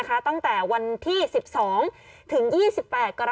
กล้องกว้างอย่างเดียว